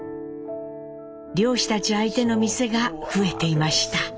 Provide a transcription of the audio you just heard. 漁師たち相手の店が増えていました。